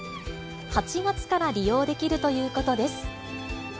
８月から利用できるということです。